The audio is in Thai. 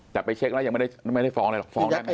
แต่ไปเช็คแล้วยังไม่ได้ฟ้องเลยหรอก